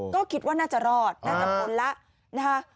ก็คิดว่าน่าจะรอดน่าจะพ้นแล้วนะคะ